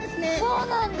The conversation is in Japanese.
そうなんだ。